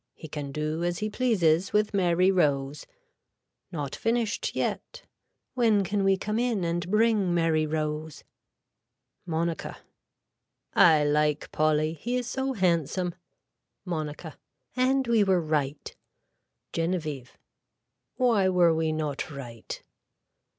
He can do as he pleases with Mary Rose. Not finished yet. When can we come in and bring Mary Rose. (Monica.) I like Polly. He is so handsome. (Monica.) And we were right. (Genevieve.) Why were we not right.